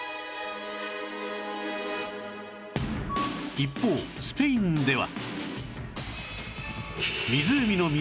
一方スペインでは